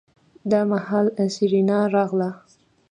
دا مهال سېرېنا راغله.